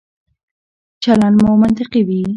چلند مو منطقي وي.